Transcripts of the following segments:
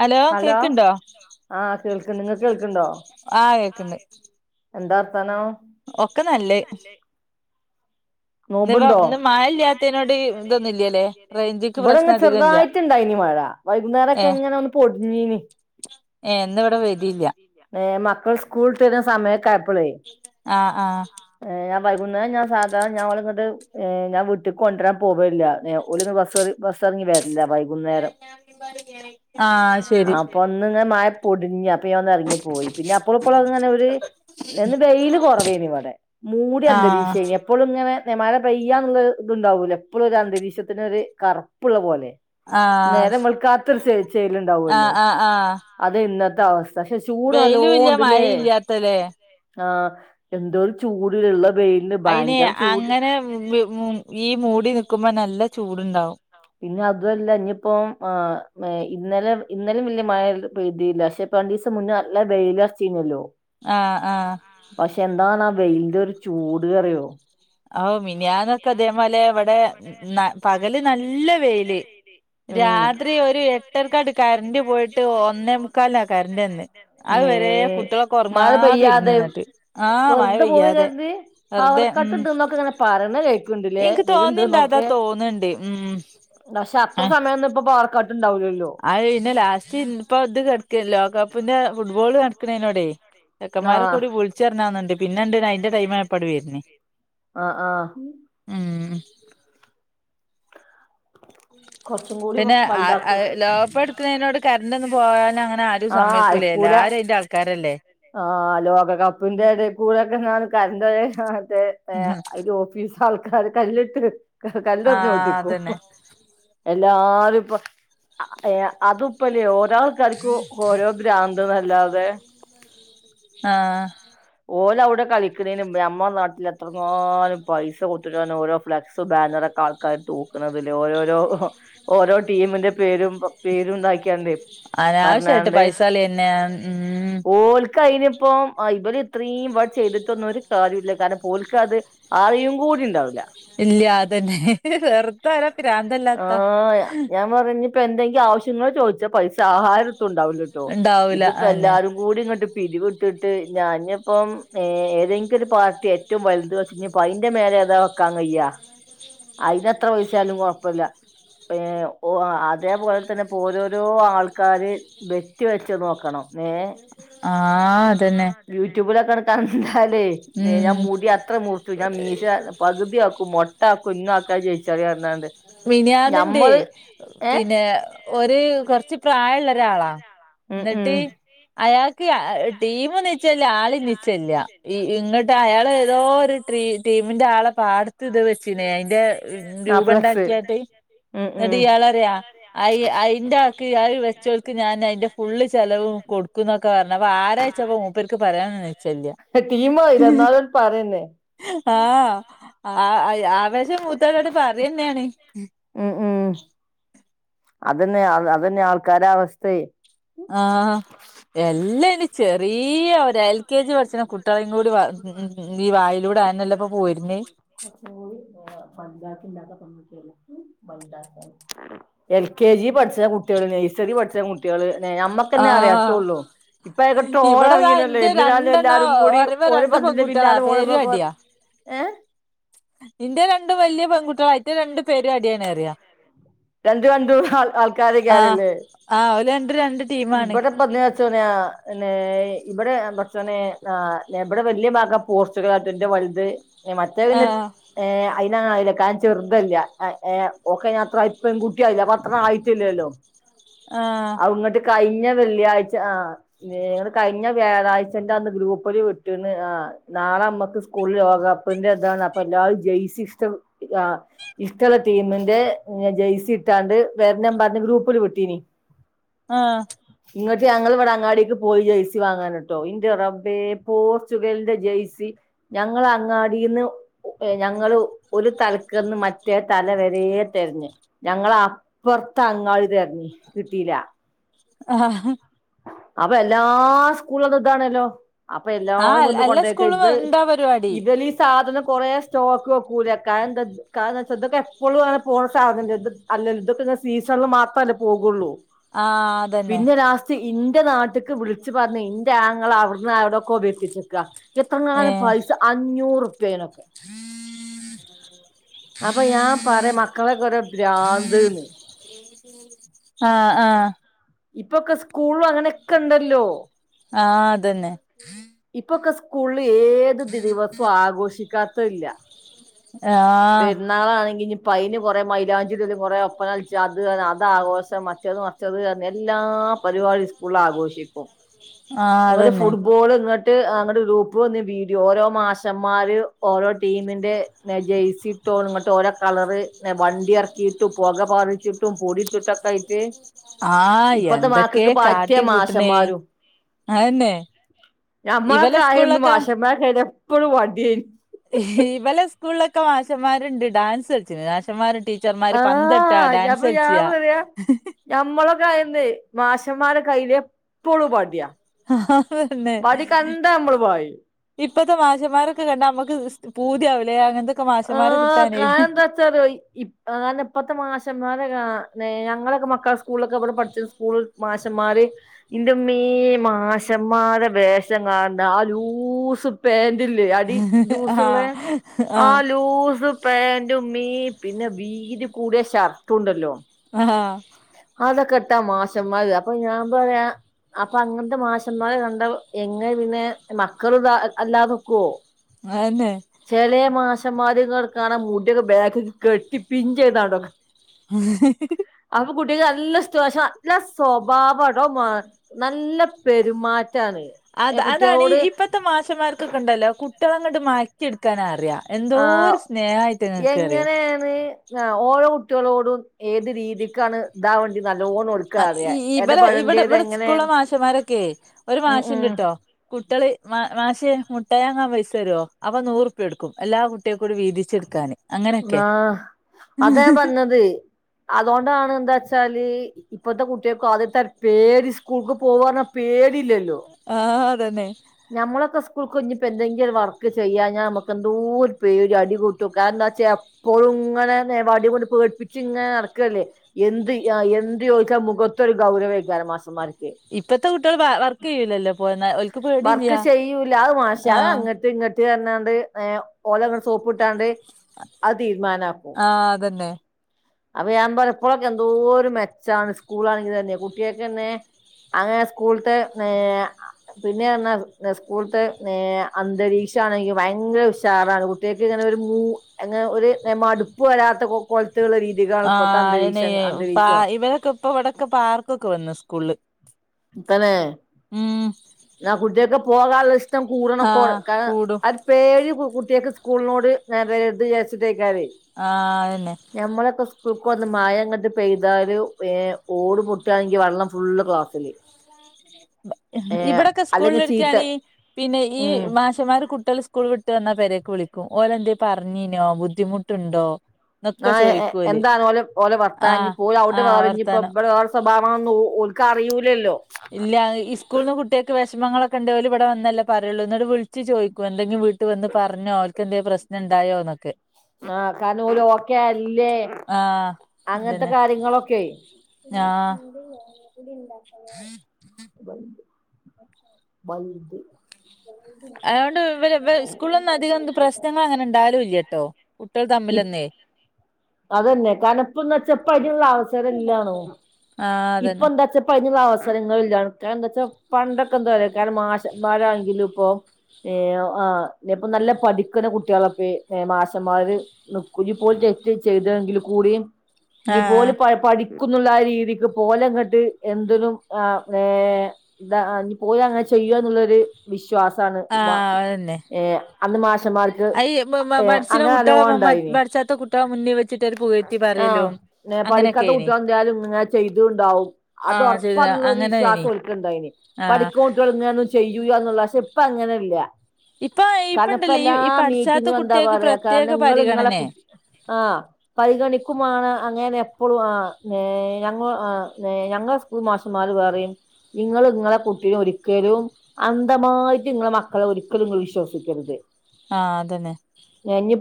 Hello കേക്ക്ണ്ടോ? ആഹ് കേൾക്ക്ണ്ട് ങ്ങക്ക് കേൾക്ക്ണ്ടോ? ആ കേക്ക്ണ്ട് എന്താ വർത്താനം ഒക്കെ നല്ലത് ന്ന് പ്പോ നോമ്പ്ണ്ടോ ന്ന് മഴ ല്യാത്തീനോണ്ട് തൊന്നും ല്ലലേ റെയ്ഞ്ച്ക്ക് പ്രശ്ന ഇബടെന്ന് അധികില്ല ചെറുതായിട്ട്ണ്ടായിനി മഴ ഏ വൈകുന്നേരൊക്കെ ഇങ്ങനെ ഒന്ന് പൊടിഞ്ഞീനി ഏ ന്ന് വടെ പെയ്തീല്ല ക്കൾ സ്കൂൾ വിട്ടെര്ണ സമയക്കായ പ്പളെയ് ആഹ് ആഹ് ഞാ വൈകുന്നേരം ഞാൻ സാധാ ഞ ഓളിങ്ങോട്ട് ഞാൻ വീട്ടിക്ക് കൊണ്ട് വരാൻ പോ ല്ല ഓൽ ഇനി ബസിറ ബസിറങ്ങി വ ആ ശരി ടിഞ്ഞ ഇറങ്ങിപ്പോയി പിന്നെ അപ്പോളുംപ്പോളും ഇങ്ങ ര് ഇന്ന് വെയില് കുറവെനി ഇവിടെ മൂടിയ ആഹ് അന്തരീക്ഷം മഴ പെയ്യ നിന്ന ഇതുണ്ടാവൂല്ല എപ്പോളും അന്തരീക്ഷത്തിന് ഒരു കറുപ്പുള്ള പോലെ ആഹ് നേരം വെളുക്കാത്തൊരു ചേല്ണ്ടാവാേല്ലോ അത് ഇന്ന ത്തവസ് വെയ്ലൂല്ല മഴില്ല്യാതലേ ആ എന്തൊരു ചൂട് ഇള്ള വെയിൽന് അയിനെ അങ്ങനെ ഈ മൂടി നിക്കുമ്പം നല്ല ചൂടുണ്ടാവും പിന്നെ അതുവല്ല ഇനിപ്പോ ഏഹ് ഏഹ് ഇന്നലെ ഇന്നലെ വലിയ മഴ പെയ്തീല പക്ഷേ ഇപ്പൊ രണ്ടീസം മുന്നേ നല്ലോ വെയിലെറിച്ചീനല്ലോ. ആഹ് ആഹ് പക്ഷേ എന്താണാ എന്തൊരു ചൂട് അറിയോ ആവ് മിനിഞ്ഞാന്നൊക്കെ ഇതേപോലെ ഇവടെ ന പകല് നല്ല വെയില്, ഉം രാത്രി ഒരു എട്ടരയ്ക്കാണ്ട് കറണ്ട് പോയിട്ട് ഒന്നേ മുക്കാൽനാ കറണ്ട് വന്ന്, അത് മേ വരെ കുട്ടിയോളൊക്കെ മഴ ഒറങ്ങാതെ ഇരുന്ന് പെയ്യാതെ എന്നിട്ട്, ആ മഴ വെറുതെ പോയി പെയ്യാതെ, വെറുതെ ഉം. പറയണ് കേക്കിണ്ട് ല്ലേ എനിക്ക് തോന്നിണ്ട് അതാ വെരിണ്ട്ന്നൊക്കെ തോന്നുന്നുണ്ട് ഉം തോന്ന്ണ്ട് പക്ഷേ അത്ര സമയൊന്നും ഇപ്പോ പവർകട്ട് അത് പിന്നെ ലാസ്റ്റ് ഇപ്പൊ ഇത് കെടക്ക ലോക കപ്പിന്റെ ഫുട്ബോള് നടക്കണേനോടെ ചെക്കന്മാര് ഒക്കെ ആഹ് കൂടി വിളിച്ച് പറഞ്ഞാ തോന്നിണ്ട്. പിന്നെന്തിനാ അതിൻറെ ടൈം ആയപ്പോ ഇങ്ങട് വെരണ്. ആഹ് ആഹ് ഉം കുറച്ചും കൂടി പിന്നെ വലുതാ [unintelligible] എടുക്കുന്നതിനോട് ലോകകപ്പ് കറന്റ് നടക്കണേനോട് കറണ്ട് ഒന്നും പോകാൻ അങ്ങനെ പോവാൻ ആരും ആഹ് സമ്മതിക്കൂലേ അയക്കൂല, എല്ലാരും അയിന്റെ അതിന്റെ ആൾക്കാരല്ലേ, ആഹ് ലോകകപ്പിന്റെ എടെ കൂടെ എങ്ങാനും കറണ്ട് പോയാ ആ ദേ ഏ ആഹ് അയിന്റെ ഓഫീസ് ആൾക്കാര് കല്ലെട്ത്ത് കല്ലെറ്ഞ്ഞ് ഓടിക്കും അതന്നെ എല്ലാരും ഇപ്പം എ അതുപ്പല്ലേ ഓ ഓരോ ആൾക്കാർക്കും ഓരോ ഭ്രാന്ത് അതെ ആഹ് ഓലൗടെ കളിക്ക്ണേന് നമ്മളെ നാട്ടില് എത്രങ്ങാനും പൈസ കൊട്ത്ത്ട്ടാണ് ഓരോ ഫ്ലക്സും ബാനറക്കെ ആൾക്കാർ തൂക്ക്ണത് ലെ. ഓരൊരോ ഓരോ ടീമിന്റെ പേരും പേരും ണ്ടാക്ക്യാണ്ടെ. അനാവ്ശ്യായിട്ട് പൈസളന്നേ ഉം ക്കയ്നിപ്പോം ആഹ് ഇവര ത്രീം വട് ചെയ്തിട്ടൊന്നും ഒരു കാര്യൂല്ല കാരണം ഓൽക്കത് അറിയും കൂടിണ്ടാവൂല്ല്യ ഇല്ല അതന്നെ ഇല്ല്യ അതന്നെ വെറുതെ ആരാ പ്രാന്തല്ലാത്ത ആഹ് ഞാൻ പറനി ഇപ്പ എന്തെങ്കിലും ആവശ്യങ്ങളോ ചോയ്ച്ചാ പൈസ ത്താഹാറുൻ ത്തുണ്ടാവൂലട്ടോ ഉണ്ടാവൂല ഇതിപ്പോ അതന്നെ എല്ലാരും കൂടി ഇങ്ങട്ട് പിരിവ്ട്ട് വിട്ട് ഞാനും ഇപ്പം ഏ ഏതെങ്കി ഒരു പാർട്ടി എറ്റോം വൽത് വെ ഞ്പ്പോ അയ്ന്റെ മേലെ ഏതാ വെക്കാൻ കയ്യ. അയ്നെത്ര പൈസാലും കൊഴപ്പല്ല ഏഹ് ഓ അതേപോലെ തന്നെ പ്പോ ഓരോരോ ആൾക്കാര് ബെറ്റ് വെച്ചത് നോക്കണം ഏ ആഹ് അതന്നെ കറക്കാറോ ട്ടാലേ ഞാൻ ഉം മുടി അത്ര മുർച്ചും ഞാൻ മീശ പകുതി ആ ക്കും മൊട്ടാ കും ന്നാൾക്കാർ ജെയ്ച്ചാല് പർഞാണ്ട്. മിനിയാന്ന്ണ്ട് പിന്നെ ഒരു കൊർച്ച് പ്രായള്ള രാളാ ഉം എന്നിട്ട് ഉം അയാക്ക് ആ ലീവ് നീ ച്ചല്ല ആളിനിച്ചല്ല ഈ ഇങ്ങട്ട് അയാൾ ഏതോ ഒരു ട്രീ ടീമിന്റെ ആളെ പാട്ത്ത് ഇത് വെച്ചീനെ അയ്ന്റെ ആ രൂപ ണ്ടാക് [unintelligible] ഫ്ലക്സ് ഉം എന്നിട്ട് ഉം ഇയാളറിയ അയ് അയ്ന്റെ ആക്ക് അയ് വെച്ചോൽക്ക് ഞാൻ അയ്ന്റെ ഫുള് ചെലവും കൊടുക്കുന്നൊക്കെ പർഞ്ഞു അപ്പൊ ആരായ്ച്ചപ്പോ മൂപ്പർക്ക് പറ ആഹ് ച്ചല്ല്യ ടീമായിലെ എന്നാലും പറയന്നെ ആഹ് ആഹ് ആഹ് അയ് ആവേശം മൂത്താണ്ടങ്ങട്ട് പറന്നെണ് ഉം ഉം അതെന്നെ അതെന്നെ ആൾക്കാരെ അവസ്തെയ്. ആഹ് എല്ലാര ചെറിയ ഒര എൽ കെ ജി പഠിച്ച്ണ കുട്ട്യേളേം കൂടി വ ഉം [unintelligible] എൽ കെ ജി പട് റിയ കുട്ട്യെള് നഴ്സറി പഠിച്ച മൂ കുട്ട്യെള് നേ നമ്മക്കന്നെ ആഹ് അറിയാത്തൊള്ളൂ. ഇപ്പെതോ ഇവിടെതാ ട്രോളറങ്ങിനല്ലോ ഇന്റെ ഇന്ന് രാവിലെ എല്ലാരുക്കൂടി ഒരു [unintelligible] ട്ടിയളാ പെരും അടിയാ ഏഹ് ഇന്റെ രണ്ട് വല്ല്യാ പെൺകുട്ട്യളാ അയിറ്റെ രണ്ടും പെരും അടിയാണ് അറിയാ രണ്ടും രണ്ടും ആൾ ആഹ് ആൾക്കാരെക്കാരല്ലെ ആഹ് ഓല് രണ്ടും രണ്ട് ടീമാണ് ഇബടെപ്പന്ന് [unintelligible] ഏ ഇബടെ ആ പടച്ചോനെ ആഹ് ഇബടെ വല്ല്യ ഭാഗ പോർച്ചുഗലാട്ടൊ ഇന്റെ വല്ത് ഇഞ്ഞ് മറ്റേതിന് ആഹ് ഏഹ് ആയിനാ അയിനേക്കാലും ചെറുതല്ല്യ ആഹ് ഏയ് ഓക്കയിനാത്രായി പെങ്കുട്ടിയായില്ലേ അപ്പത്രായിട്ടില്ലല്ലോ ആഹ് കഴിഞ്ഞ വെള്ളിയാഴ്ച ആഹ് ഇമ്മേ ഇങ്ങള് കഴിഞ്ഞ വ്യാഴാഴ്ചന്റെ അന്ന് ഗ്രൂപ്പില് വിട്ടിണ് ആഹ് നാളെ നമ്മക്ക് സ്കൂള്ല് ലോകകപ്പിന്റെ ഇതാണ് അപ്പല്ലാരും ജെയസി ഇഷ്ട ആ ഇഷ്ടള്ള ടീമിന്റെ ഏഹ് ജെയ്സി ഇട്ടാണ്ട് വെര്ണം പറഞ്ഞ് ഗ്രൂപ്പില് വിട്ടീനി ആഹ് പക്ഷെ ഞങ്ങളിവിടെ അങ്ങാടേക്ക് പോയി ജേഴയ്സി വാങ്ങാനേട്ടോ, ഇന്റെ റബ്ബേ പോർച്ചുഗലിന്റെ ജേഴയ്സി ഞങ്ങള് അങ്ങാടിന്ന് ഞങ്ങള് ഒരു തലക്കന്ന് മറ്റേ തലവ വ റേ തെരഞ്ഞ് ഞങ്ങള് അപ്പുറത്തെ അങ്ങാടി തെരഞ്ഞി കിട്ടീല ആഹ് അപ്പൊ എല്ലാ സ്കൂളുകളിലും ഇതാണെല്ലോ അപ്പൊ എല്ലാരും ആഹ് വന്ന് എല്ലാ കൊണ്ടോയി സ്കൂളും ഇണ്ടാ പരിപാടി ഇവലി സാധാനം കുറെ സ്റ്റോക്ക് വെക്കൂല കാരഎന്താ കാരണവെച്ചാ ഇതൊക്കെ എപ്പോളും അങ്ങനെ പോണ സാധനണ്ട് ഇത്‌ അല്ല ഇതൊക്കെ ഇങ്ങനെ സീസണില് മാത്രല്ലേ പോകുള്ളൂ ആഹ് അതന്നെ പിന്നെ ലാസ്റ്റ് ഇന്റെ നാട്ടക്ക് വിളിച്ച്ച് പറഞ്ഞ് ഇന്റെ ആങ്ങള അവിടുന്ന് അവിടൊക്കെ എത്തിച്ചേക്ക എത്ര ങ്ങാനം ഏഹ് പൈസ അഞ്ഞൂറു പേന [inaudible] അപ്പൊ ഞാൻ പറ മക്കളൊക്കെ ഒരെ ബ്രാന്ത്‌ന്ന് ആഹ് ആഹ് ഇപ്പൊക്കെ സ്കൂളും അങ്ങനെക്കെണ്ടല്ലോ ആഹ് അതന്നെ കൂൾ ങ്ങള് ഏത് ദി ദിവസവും ആഘോഷിക്കാ ഇപ്പോ ഇല്ല ആഹ് പെരുന്നാളാണെങ്കി ഇനി ഇപ്പ അന് കുറെ മൈലാഞ്ചീ കുറ ഒപ്പനംളിച്ച അത് അത ആഘോഷം മറ്റത് മറച്ചത് അത് എല്ലാ പരിപാടിയും സ്കൂളിൽ ആഘോഷിക്കും ആഹ് അങ്ങോട്ട് അതന്നെ ഫുട്ബോള് ഇങ്ങട്ട് ട്ട് അങ്ങ ഗ്രൂപ്പ് വന്ന് വീ ഓരോ മാഷന്മാര് ഓരോ ടീമിന്റെ ജേഴ്സിട്ടോ ഇങ്ങോട്ട് ഓരോ കളറ് വണ്ടി ഇറക്കിയിട്ടും പുക പറിച്ചിട്ടും പൊടിട്ടിട്ടുംൊക്കെ ആയിട്ട് ആഹ് ഇപ്പത്തെ എന്തൊക്കെ മാക്കക്ക് പറ്റിയ കാട്ടിക്കൂട്ടണേ മാഷന്മാരും അതന്നെ ഞമ്മളൊക്ക ഇവലെ ആയിരുന്നു സ്കൂളിലൊക്കെ മാഷന്മാരുട ഇടയിൽ കു വർടൻ ഇവലെ സ്കൂളിലൊക്കെ മാഷന്മാരുണ്ട് ഡാൻസ് കളിച്ചന് മാഷന്മാരുണ്ട് ആഹ അപ്പൊ ഞാൻ പററയാ ഞമ്മളൊക്കെ ആയന്ന് മാ മാരെ കയ്യിലെ പൊടു പാടിയ ആഹന്നെ നമ്മള് പായും ഇപ്പഴത്തെ മാശന്മാരൊക്കെ കണ്ടാൽ നമുക്ക് പൂതിയാവില്ലേ അങ്ങനെ ആ ക എന്താ വച്ചാാല ഇ ക ഇപ്പത്തെ മാസംമാരെ ഞങ്ങളൊക്കെ മക്കള സ്കൂളൊക്കെ പഠിച്ച സ്കൂള മാശന്മാര് ഇന്റെ മീ മാശന്മാരെ വേഷം കാണണ്ട ആ ലൂ പേൻ ആ ആ ലൂസ് പെൻറ് ഉമ്മീ പിന്നെ വീതി കൂടിയ ഷർട്ട് ഉണ്ടല്ലോ ആ അതൊക്കെ ഇട്ടാ മാശന്മാര് അപ്പൊ ഞാൻ പറയാ അപ്പൊ അങ്ങനത്തെ മാശന്മാര് കണ്ട എങ്ങനെ പിന്നെ മക്കൾ ഇതാ അല്ലാതൊക്കുവോ അതന്നെ ചള മാസ പച്ചമാങ്ങ കാണാൻ മൂട്ടിയൊക്കൊഗ കെട്ടി പിഞ്ച ചെയ്താണ്ടൊെ അപ്പോ കുട്ടികൾക്ക് നല്ല സ്‌ട്രെസ്സാ നല്ല സ്വഭാവടോ നല്ല പെരുമാറ്റം അത അതാണ് ഇപ്പത്തെ മാശന്മാർക്ക്ൊ കണ്ടല്ലോട്ട കുട്ടിയോളെ അങ്ങോട്ട് മാറ്റിയെടുക്കാൻ അറിയാം എന്തോ ആഹ് ഒരു സ്നേഹയിട്ട് ങ്ങക്ക് അറിയോ ആ ഓരോ കുട്ടികളോടും ഏത് രീതിക്കാണ് ഇതാ വേണ്ടത് ആ ഇവിടെ ഇവിടെ ഇവിടെ എങ്ങനെ സ്കൂള മാഷന്മാരൊക്കെയ ഒരു ഉം മാഷുണ്ട് ഉം കേട്ടോ കുട്ടികളി മാ മാഷേ മുട്ടയങ്ങാൻ പൈസ വരുമോ അവ നൂറുപ്യ എടുക്കും എല്ലാ കുട്ടിയ കൂടി വീതിച്ചെടുക്കാാന് ആാ അത ൻ പറഞ്ഞത് അതുകൊണ്ടാണ് എന്താ വച്ചാല് ഇപ്പഴത്തെ കുട്ടികൾക്ക ആദ്യത്തെ പേടി സ്കൂൾക്ക് പോക പേടി ആഹ ന്നെ നമ്മളൊക്കെ സ് കുഞ്ഞിപ്പോൊ എന്തെങ്കിലും വർക്ക് ചെയ്യാാ നമുക്ക് എന്തൂ പ ഒരു അടി കൂട്ടുംക്ക എന്താ വച്ചാ പൊറങ്ങൻ വടി കൊണ്ട് പേടിപ്പിച്ച് ഇങ്ങനെ നടക്കുവല്ലേ എന്ത് എന്ത് ചോദിച്ചാലും മുഖത്തൊരു ഗൗരവം ആയിരിക്കും മാഷന്മാർക്ക് ഇപ്പത്തെ കുട്ടികൾ വർക്ക് ചെയ്യൂലല്ലോ [unintelligible] വർക്ക് ചെയ്യൂല്ലാ അഹ് മാഷേ അഹ് ആഹ് അങ്ങട്ട് ഇങ്ങട്ട് [unintelligible] ണ്ട് ഒലെ സോപ്പ് ഇട്ടാണ്ട് അത് കി ആ അതെന്നെ അപ്പ ഞാൻ പലപ്പോഴൊക്കെ എന്തോര് മെച്ചാണ് സ്കൂളാണെങ്കി തന്നെ കുട്ട്യാക്കന്നെ അങ്ങനെ സ്കൂൾത്തെ പിന്നെർന്നാ സ്കൂൾത്തെ അന്തരീക്ഷണെങ്കി ഭയങ്കര ഉഷാറാണ് കുട്ട്യാക്ക് ഇങ്ങനെ ഒരു മൂ അങ്ങനെ ഒര് മടുപ്പ് വരാത്ത കൊലത്തിലുള്ള രീതി ആ അയ്നെ പാ ഇവിടെക്കെ ഇപ്പ ഇവിടെക്കെ പാർക്കൊക്കെ വന്ന് കുള്ള് തനെ ന്നാ കുട്ട്യാക്ക് പോകാ ഇഷ്ടം കൂടണംക്കറ ആഹ് കൂടും ക പേടി കുട്ടികൾക്ക് സ്കൂളിനോട് [unintelligible] ച്ചിട്ടെ ആഹ് അതന്നെ നമ്മളക്കെ കുക്കന്ന് മഴ അങ്ങിട്ട് പെയ്താല് ഏ ഓട് പൊട്ടാണെങ്കിൽ വെള്ളം ഫുള്ള് ക്ലാസ്സില് ഏ ഇവിടെക്കെ സ്കൂളിൽ അല്ലെങ്കിൽ ചീത്തൻ എടുക്കുകയാണെങ്ക പിന്നെ ഈ ഉം മാഷന്മാർ കുട്ടികൾ സ്കൂൾ വന്ന പേരെക്ക് വിളിക്കും ഓര് എന്ത പറഞ്ഞീനോ ബുദ്ധിമുട്ടുണ്ടോ എന്നൊക്കെ ആ ചോദിക്കോല് എന്താണ ഓല ഓലെ വർത്താഞ്ഞി ആഹ് പോല ഔടെ ആഹ് വേറ ഞ്ഞപ്പ വർത്താനം ഇടെ വേറെ സ്വഭാവ അറിയൂലല്ലോ ഇല്ല ഇസ്കൂൾൽ ന്ന് കുട്ടിയക്ക് വേശ് വിഷമങ്ങളൊക്കെ ഉണ്ട പോല ഇടെന്നേ പറയുള്ളൂ എന്നോട് വിളിച്ച് ചോദിക്കും എന്തെങ്കിലും വീട്ടി വന്ന് പറഞ്ഞോ അവർ എന്തങ്കിലും പ്രശ്നം ഉണ്ടായോ ന്നൊക്കെ ആ കനൂല ഓക്കെ അല്ലേ ആഹ് അങ്ങനത്തെ അതന്നെ കാര്യങ്ങളൊക്കെയ ആഹ് [unintelligible] മന്തി അതുകൊണ്ട് ഇവലെ ഇവ സ്കൂളിൽന്നും അധികം പ്രശ്നങ്ങൾ അങ്ങനെ ഉണ്ടാലും ഇല്ല കേട്ടോ അതന്നെ കനപ്പന്ന് വെച്ചപ്പ ള്ള അവസരംല്ലാണോ ആഹ് ഇപ്പൊ അതന്നെ എന്താ വച്ചാ [unintelligible] അവസരങ്ങളില്ലാണ് ക എന്താ വച്ചാ പണ്ടൊക്കെ എന്താ അ കാരണം മാഷ് മാരാണെങ്കിലും ഇപ്പൊ ആ ഇയിപ്പ നല്ല പഠിക്കുന്ന കുട്ടികളപ്പെ മാഷന്മാര് നിക്കും പോലറ്റ് ചെയ്തെങ്കിൽ കൂട ഇനി ആഹ് പോലും പ പഠി ക്കുന്നുള്ള ആ രീതിക്ക് ഒലെ ങ്ങട്ട് എന്തിനും [unintelligible] ഓൻ അങ്ങനെ ചെയ്യോ ന്നുളളരു വിശ്വ വാ സാറേ പോവാം ആഹ് അതന്നെ എ അന്ന് മാഷ് മമാർക്ക് ഈ പഠിച്ച്ണ അനുഭവം കുട്ടികളെ ഉണ്ടായിന് പഠിച്ചാത്ത കുട്ടികളെ മുന്നിൽ വെച്ചിട്ട് ഒരു പുകഴ്ത്തി ആ പറയലും നേപ്പാളിൽ അങ്ങനെയൊക്കെനി കണ്ടുമുട്ടുകഎന്ന് വെച്ചാല് ഇതുണ്ടാവും അത് ആഹ് ശരി ഒറപ്പന്ന ഒരു അങ്ങനെനി വിശ്വാസഓൽക്ണ്ടായിന് ആഹ് പഠിക്കോട്ട്യാള് ങ്നെ ചെയ്യുലാ ന്നുള്ളസ് ഇപ്പ അങ്ങനെല്യ ഇപ്പൊ കാരണം ഇപ്പ ഇണ്ടല്ലേ ഈ എല്ലാ ഈ പഠിച്ചാത്ത മീറ്റിങ്ങും എന്താ കുട്ടികൾക്ക് പറയാ കാരണം പ്രത്യേക നിങ്ങള് ഇങ്ങളെ പരിഗണനേ കുട് ആ പരിഗണിക്കുമാണ് അങ്ങനെ [unintelligible] ഏ ഞങ്ങൾ ആ ന്നേ ഞങ്ങള് സ്കൂൾ മാഷ് ഉമ്മാര് പറയും ഇങ്ങൾ നിങ്ങളെ കുട്ടികളെ ഒരിക്കലും അന്ധമായിട്ട് നിങ്ങളെ മക്കളെ ഒരിക്കലും നിങ്ങൾ വിശ്വസിക്കരുത് ആഹ് അതെന്നെ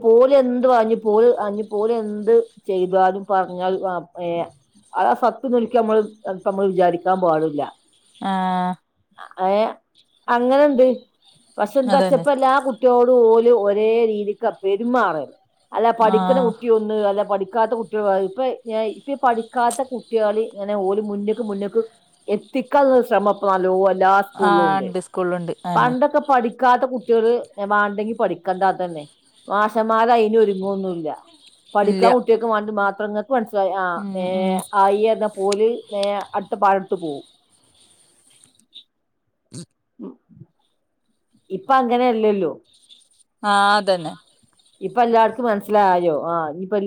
പോലെന്ത് വാഞ് പോല് അ ഞ് പോലെന്ത് ചെയ്താലും പറഞ്ഞാലു അ ഏയ ആ സത്ത്ന്ന്ൾക്കി മ്മൾ എത്ത മ്മൾ വിചാരിക്കാൻ പാടില്ല ആഹ് ഏ അങ്ങനുണ്ട് അതന്നെ പക്ഷെന്തച്ചപ്പല്ലാ കുട്ടിയോ പൊ ഓലും ഒരേ രീതിക്കാ പെരുമാറല് അല്ലാ പഠിക്കുന്ന ആഹ് കുട്ടിയുണ്ട് അല്ല പഠി കാത്ത കുട്ട്യള് അഹ് പ്പെ ഞയിപ്പി പഠി കാത്ത കുട്ടികളിങ്ങനെ ഓല് മുന്ന്ക്ക് മുന്ന്ക്ക് എത്തിക്കാൻള്ള ഒരുശ്രമം പ്പം നല്ലോ അ ലാ ആഹ് സ്കൂളുണ്ട് ഉണ്ട് സ്കൂളിലുണ്ട് അതന്നെ പണ്ടൊക്കെ പഠിക്കാത്ത കുട് ട്ട്യള് എ വാണ്ടെങ്കി പഠിക്കണ്ട അതന്നെ വാശന്മാര് അയിന് ഒരുങ്ങൊന്നുല്ല പഠിക്കാൻ ഇല്ല കുട്ടേക് മാണ്ട് മാ [unintelligible] പ ൻസിലായി ആ ഉം ഏ ഉം ആയെദം പോല് നേഹ അടുത്ത പാഴത്ത് പോവും [unintelligible] ഇപ്പൊ അങ്ങനെല്ലല്ലോ ആഅതെന്നെ ഇപ്പൊ എല്ലാർക്കും മനസ്സിലായോ ആ ഇപ്പാ